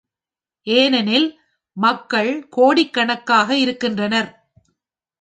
ஏனெனில், மக்கள் கோடிக்கணக்காக இருக்கின்றனர்.